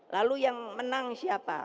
lalu yang menang siapa